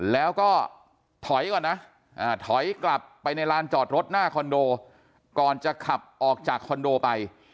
แล้วก็ถอยก่อนนะถอยกลับไปในลานจอดรถหน้าคอนโดก่อนจะขับออกจากคอนโดไป